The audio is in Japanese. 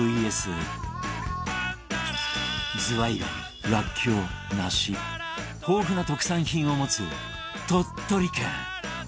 ズワイガニらっきょう梨豊富な特産品を持つ鳥取県